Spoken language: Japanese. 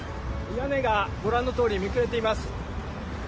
屋根がご覧のとおり、めくれています。